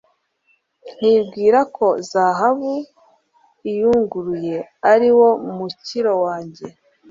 nkibwira ko zahabu iyunguruye ari wo mukiro wanjye